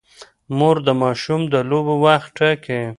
مور د ماشوم د لوبو وخت ټاکي.